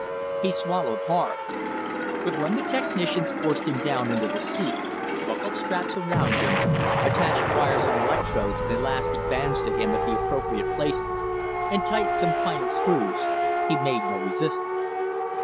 He swallowed hard. But when the technicians forced him down into the seat, buckled straps around him, attached wires and electrodes and elastic bands to him at appropriate places and tightened some final screws, he made no resistance.